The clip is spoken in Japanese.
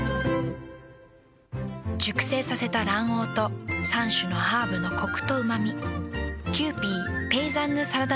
熟成させた卵黄と３種のハーブのコクとうま味。